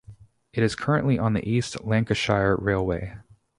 It is currently on the East Lancashire Railway.